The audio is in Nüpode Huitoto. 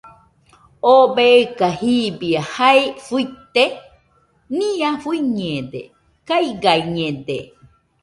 ¿Oo beika jibie jae fuite?nia fuiñede, kaigañede.